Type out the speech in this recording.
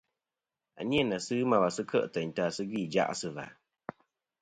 À ni a nà sɨ ghɨ ma wà sɨ kêʼ tèyn ta à sɨ gvî ìjaʼ sɨ và.